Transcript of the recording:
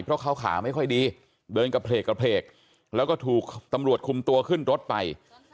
เพราะเขาขาไม่ค่อยดีเดินกระเพลกแล้วก็ถูกตำรวจคุมตัวขึ้นรถไป